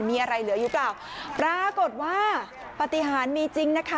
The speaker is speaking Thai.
มีอะไรเหลืออยู่หรือเปล่าปรากฏว่าปฏิหารมีจริงนะคะ